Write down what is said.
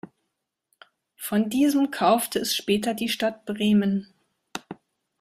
Von diesem kaufte es später die Stadt Bremen.